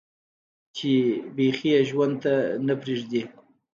چې بيخي ئې ژوند ته نۀ پرېږدي